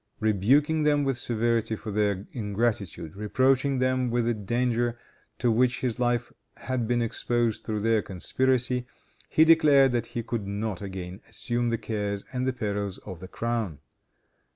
Rebuking them with severity for their ingratitude, reproaching them with the danger to which his life had been exposed through their conspiracy, he declared that he could not again assume the cares and the perils of the crown.